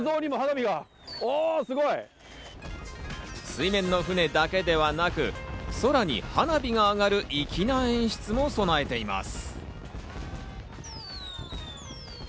水面の舟だけではなく、空に花火が上がる粋な演出も備えています。